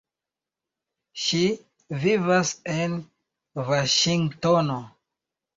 Ŝi vivas en Vaŝingtono.